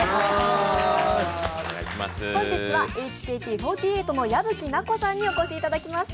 本日はＨＫＴ４８の矢吹奈子さんにお越しいただきました。